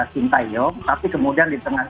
sintayong tapi kemudian di tengah